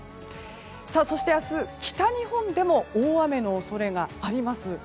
そして明日、北日本でも大雨の恐れがあります。